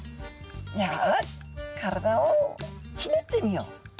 「よし体をひねってみよう」。